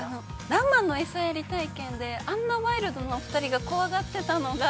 ◆ラマの餌やり体験あんなワイルドな２人が怖がってたのが。